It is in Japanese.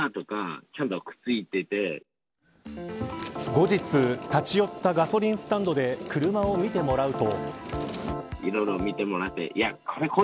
後日、立ち寄ったガソリンスタンドで車を見てもらうと。